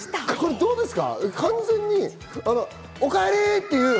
どうですか？